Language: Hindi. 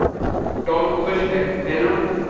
टॉम खुश है, है ना?